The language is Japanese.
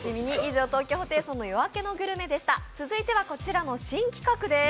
続いてはこちらの新企画です。